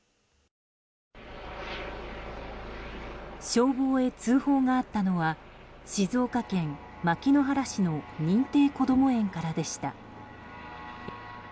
消防へ通報があったのは静岡県牧之原市の認定こども園からでした。